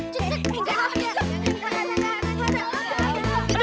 jangan rasa rambutnya